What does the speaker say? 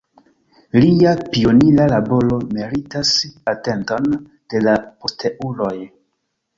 Lia pionira laboro meritas atenton de la posteuloj.